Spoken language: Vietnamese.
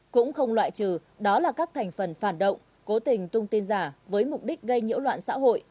cũng không loại trừ đó là các thành phần phản động cố tình tung tin giả với mục đích gây nhiễu loạn xã hội